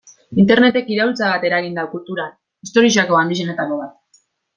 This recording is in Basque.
Internetek iraultza bat eragin du kulturan, historiako handienetako bat.